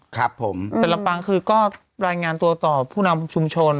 ครับผมแต่ละปังคือก็รายงานตัวต่อผู้นำชุมชน